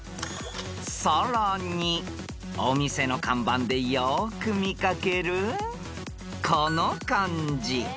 ［さらにお店の看板でよく見掛けるこの漢字］